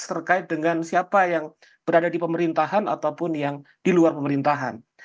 terkait dengan siapa yang berada di pemerintahan ataupun yang di luar pemerintahan